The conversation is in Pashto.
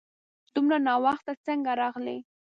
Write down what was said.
دومره ناوخته څنګه راغلې ؟